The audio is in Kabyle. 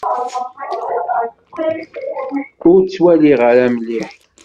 Ur ttwaliɣ ara mliḥ.